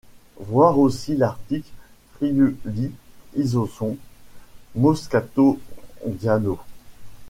Voir aussi l’article Friuli Isonzo Moscato giallo.